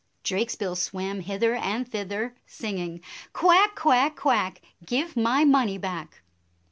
Drakesbill swam hither and thither, sing ing, "Quack, quack, quack! Give my money back."